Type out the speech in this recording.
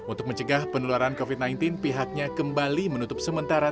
untuk mencegah penularan covid sembilan belas pihaknya kembali menutup sementara